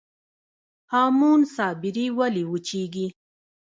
هامون صابري ولې وچیږي؟